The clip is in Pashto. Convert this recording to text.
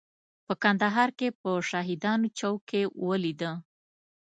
په کندهار کې په شهیدانو چوک کې ولیده.